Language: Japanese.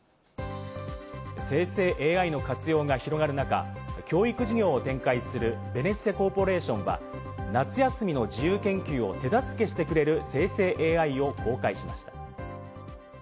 生成ＡＩの活用が広がる中、教育事業を展開するベネッセコーポレーションは、夏休みの自由研究を手助けしてくれる生成ＡＩを公開しました。